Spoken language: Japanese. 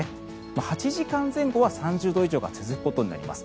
８時間前後は３０度以上が続くことになります。